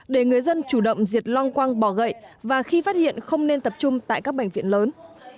để người dân chủ động diệt long quang bỏ gậy và khi phát hiện không nên tập trung tại các bệnh viện lớn